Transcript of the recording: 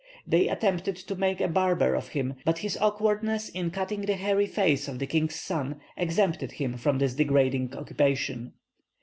They attempted to make a barber of him, but his awkwardness in cutting the hairy face of the king's son exempted him from this degrading occupation.